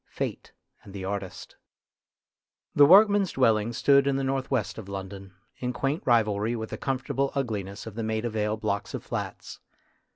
FATE AND THE ARTIST THE workmen's dwellings stood in the north west of London, in quaint rivalry with the comfortable ugliness of the Maida Vale blocks of flats.